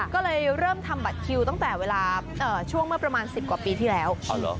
ก็เลยเริ่มทำบัตรคิวตั้งแต่เวลาช่วงเมื่อประมาณ๑๐กว่าปีที่แล้ว